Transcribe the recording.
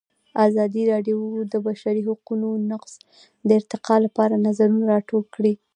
ازادي راډیو د د بشري حقونو نقض د ارتقا لپاره نظرونه راټول کړي.